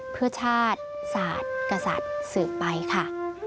เพื่อชาติศาสตร์กษัตริย์สืบไปค่ะ